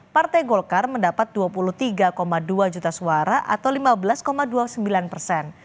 partai golkar mendapat dua puluh tiga dua juta suara atau lima belas dua puluh sembilan persen